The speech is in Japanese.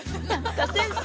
先生